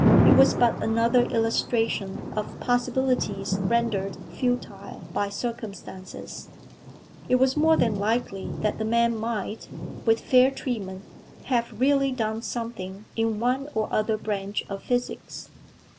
It was but another illustration of possibilities rendered futile by circumstances. It was more than likely that the man might, with fair treatment, have really done something in one or other branch of physics.